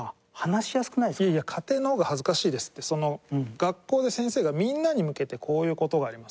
学校で先生がみんなに向けて「こういう事があります」